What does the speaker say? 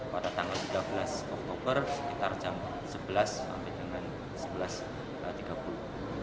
pada tanggal tiga belas oktober sekitar jam sebelas sampai dengan sebelas tiga puluh